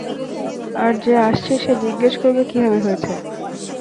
আর যে আসছে সে জিজ্ঞেস করবে কীভাবে হয়েছে।